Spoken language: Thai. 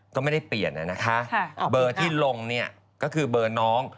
ก็ไม่ได้เปลี่ยนนะคะเบอร์ที่ลงเนี่ยก็คือเบอร์น้อง